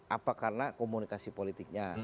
apa karena komunikasi politiknya